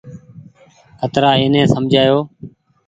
ڪترآ ايني سمجهآئو۔